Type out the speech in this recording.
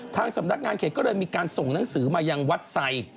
ทางสำนักงานเขตก็เลยมีการส่งหนังสือมายังวัดไซค์